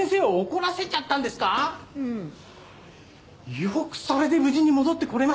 よくそれで無事に戻ってこれましたね。